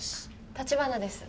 立花です